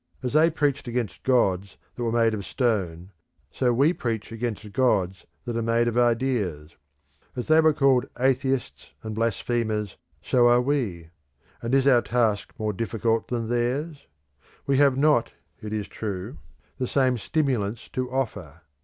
As they preached against gods that were made of stone, so we preach against gods that are made of ideas. As they were called atheists and blasphemers so are we. And is our task more difficult than theirs? We have not, it is true, the same stimulants to offer.